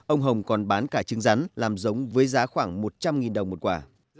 ông hồng còn bán cả trứng rắn làm giống với giá khoảng một trăm linh đồng một quả